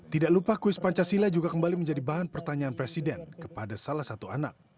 tidak lupa kuis pancasila juga kembali menjadi bahan pertanyaan presiden kepada salah satu anak